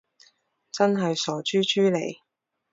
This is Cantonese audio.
真係傻豬豬嚟